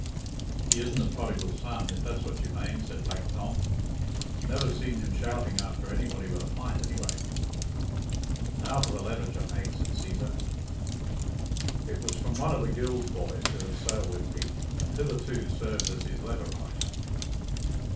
"He isn't a prodigal son, if that's what you mane," said Black Tom. "Never seen him shouting after anybody with a pint, anyway." "Now for the letter, Jonaique," said Cæsar. It was from one of the Gills' boys who had sailed with Pete, and hitherto served as his letter writer.